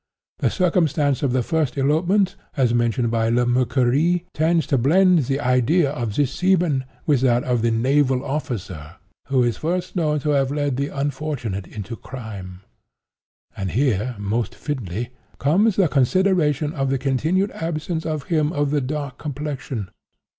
The circumstance of the first elopement, as mentioned by Le Mercurie, tends to blend the idea of this seaman with that of the 'naval officer' who is first known to have led the unfortunate into crime. "And here, most fitly, comes the consideration of the continued absence of him of the dark complexion.